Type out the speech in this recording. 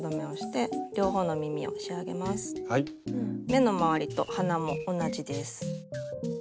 目の周りと鼻も同じです。